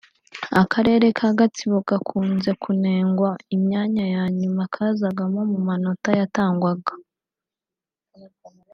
Akarere ka Gatsibo kakunze kunengwa imyanya ya nyuma kazagamo mu manota yatangwaga